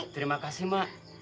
terima kasih mak